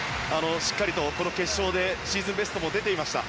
しっかりとこの決勝でシーズンベストも出ていました。